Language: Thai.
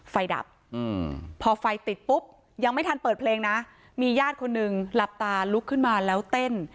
ดับพอไฟติดปุ๊บยังไม่ทันเปิดเพลงนะมีญาติคนหนึ่งหลับตาลุกขึ้นมาแล้วเต้น